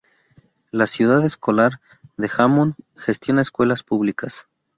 La Ciudad Escolar de Hammond gestiona escuelas públicas.